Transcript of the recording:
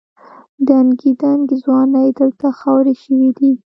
دنګې دنګې ځوانۍ دلته خاورې شوې دي.